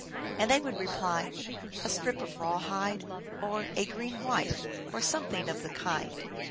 " And they would reply, " A strip of rawhide," or " A green withe," or something of the kind.